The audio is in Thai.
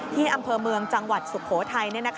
อำเภอเมืองจังหวัดสุโขทัย